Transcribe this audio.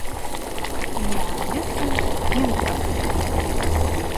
Йгӏайысыз дйымцӏастӏ.